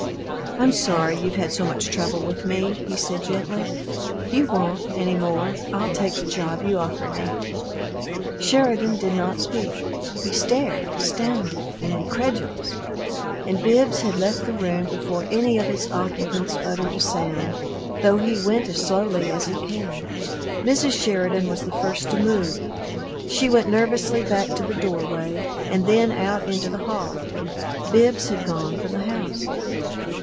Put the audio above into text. "I'm sorry you've had so much trouble with me," he said, gently. "You won't, any more. I'll take the job you offered me." Sheridan did not speak he stared, astounded and incredulous; and Bibbs had left the room before any of its occupants uttered a sound, though he went as slowly as he came. Mrs. Sheridan was the first to move. She went nervously back to the doorway, and then out into the hall. Bibbs had gone from the house.